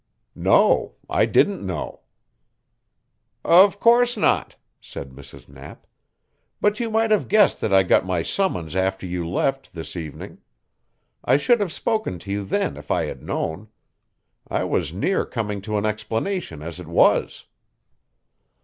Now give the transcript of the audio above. "No I didn't know." "Of course not," said Mrs. Knapp. "But you might have guessed that I got my summons after you left, this evening. I should have spoken to you then if I had known. I was near coming to an explanation, as it was."